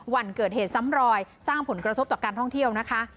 วันเกิดเหตุซ้ำรอยสร้างผลกระทบต่อการท่องเที่ยวนะคะ